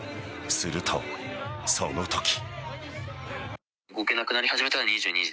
するとそのとき。